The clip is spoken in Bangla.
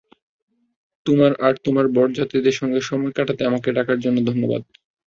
তোমার আর তোমার বরযাত্রীদের সঙ্গে সময় কাটাতে আমাকে ডাকার জন্য ধন্যবাদ।